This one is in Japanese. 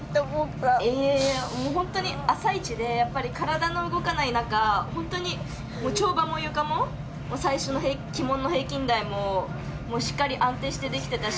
でも、本当に朝一で体の動かない中本当に跳馬もゆかも最初の鬼門の平均台もしっかり安定してできてたし